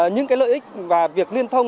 những cái lợi ích và việc liên thông